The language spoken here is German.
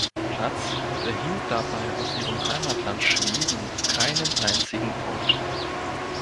Platz und erhielt dabei aus ihrem Heimatland Schweden keinen einzigen Punkt.